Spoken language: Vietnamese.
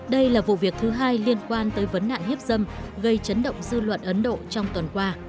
đây là vụ việc thứ hai liên quan tới vấn nạn hiếp dâm gây chấn động dư luận ấn độ trong tuần qua